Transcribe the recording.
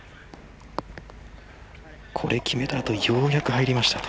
これ、決めた後ようやく入りました。